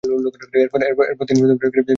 এরপর তিনি আবারও দলে ফিরে আসেন।